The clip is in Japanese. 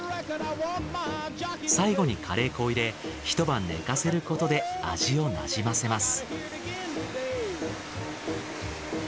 最後にカレー粉を入れ一晩寝かせることで味をなじませます。